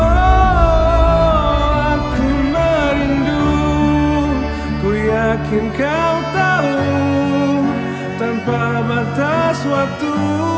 aku merindu ku yakin kau tahu tanpa batas waktu